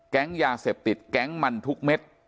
ยาเสพติดแก๊งมันทุกเม็ด